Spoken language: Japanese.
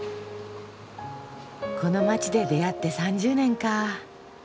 この街で出会って３０年かぁ。